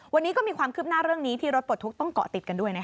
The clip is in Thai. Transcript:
วันนี้ก็มีความคืบหน้าเรื่องนี้ที่รถปลดทุกข์ต้องเกาะติดกันด้วยนะคะ